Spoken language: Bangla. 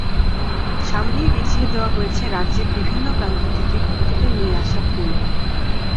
সামনেই বিছিয়ে দেওয়া হয়েছে রাজ্যের বিভিন্ন প্রান্ত থেকে ভক্তদের নিয়ে আসা ফুল।